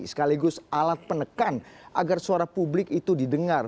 sekaligus alat penekan agar suara publik itu didengar